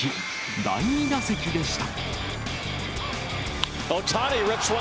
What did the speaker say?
第２打席でした。